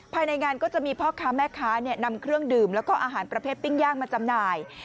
ภายในงานก็จะมีพ่อค้าแม่ค้านำเครื่องดื่มแล้วก็อาหารประเภทปิ้งย่างมาจำหน่าย